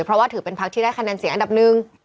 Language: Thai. เพราะว่าถือเป็นพักที่ได้คะแนนเสียงอันดับหนึ่ง